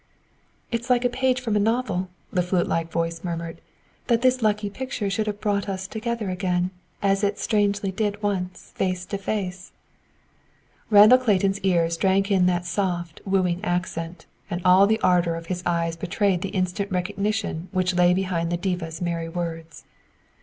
"It is like a page from a novel," the flute like voice murmured, "that this lucky picture should have brought us together again, as it strangely did once face to face." Randall Clayton's ears drank in that soft, wooing accent, and all the ardor of his eyes betrayed the instant recognition which lay behind the diva's merry words.